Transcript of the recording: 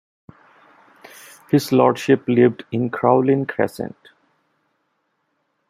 His Lordship lived in Crowlin Crescent.